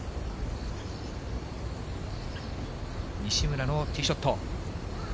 西村のティーショット。